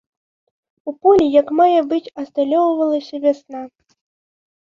У полі як мае быць асталёўвалася вясна.